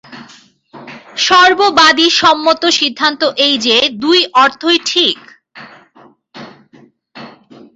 সর্ববাদিসম্মত সিদ্ধান্ত এই যে, দুই অর্থই ঠিক।